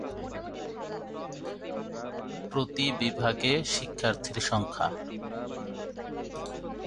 প্রতি বিভাগে শিক্ষার্থীর সংখ্যা।